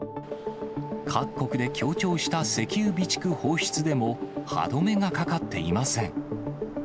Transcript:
各国で協調した石油備蓄放出でも、歯止めがかかっていません。